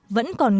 vẫn còn ngổn ngại